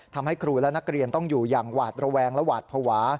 ทำให้ครูและนักเรียนต้องอยู่อย่างหวาดระแวงและหวาดภาวะ